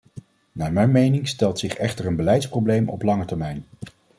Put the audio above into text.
Naar mijn mening stelt zich echter een beleidsprobleem op lange termijn.